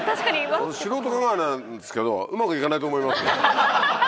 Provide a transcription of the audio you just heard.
素人考えなんですけどうまくいかないと思います。